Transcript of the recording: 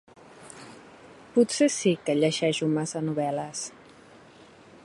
Potser sí que llegeixo massa novel·les.